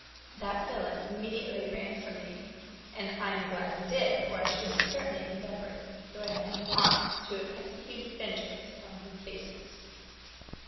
That villain immediately ran from me, and I am glad he did, or I should have certainly endeavoured, though I had no arms, to have executed vengeance on his baseness.